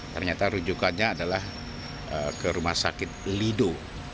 ternyata rujukannya adalah ke rumah sakit lido